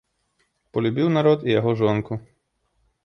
Палюбіў народ і яго жонку.